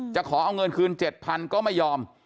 จะขอเอาเงินคืน๗๐๐๐บาทก็ไม่ยอม